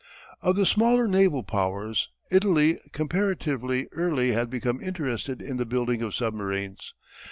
Of the smaller naval powers, Italy comparatively early had become interested in the building of submarines.